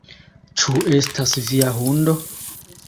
"Ĉu estas via hundo?"